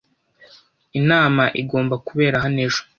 Inama igomba kubera hano ejo.